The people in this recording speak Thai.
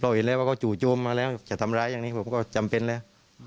เห็นแล้วว่าเขาจู่โจมมาแล้วจะทำร้ายอย่างนี้ผมก็จำเป็นแล้ว